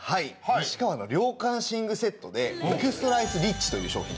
西川の涼感寝具セットでエクストラアイスリッチという商品なんです。